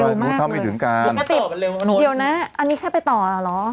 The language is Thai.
เร็วมากเลยรู้เท่าไม่ถึงกันเดี๋ยวนะอันนี้แค่ไปต่อหรอ